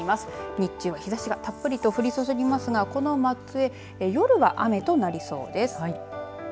日中は日ざしがたっぷりと降り注ぎますがこの松江夜は雨となりそうです。